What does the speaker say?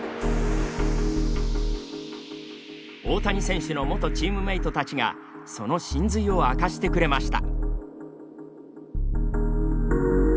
大谷選手の元チームメートたちがその神髄を明かしてくれました。